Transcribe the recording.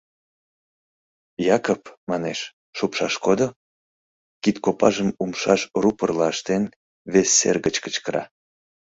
— Якып, — манеш, — шупшаш кодо? — кид копажым умшаш рупорла ыштен, вес сер гыч кычкыра.